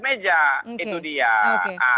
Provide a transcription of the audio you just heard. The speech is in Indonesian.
meja itu dia